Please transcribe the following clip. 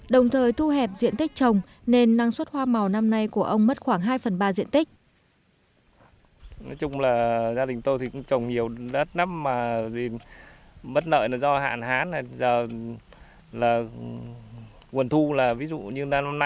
đồng thời thu hẹp diện tích trồng nên năng suất hoa màu năm nay của ông mất khoảng hai phần ba diện tích